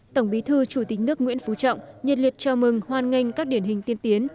tổng bí thư chủ tịch nước nguyễn phú trọng nhiệt liệt chào mừng hoan nghênh các điển hình tiên tiến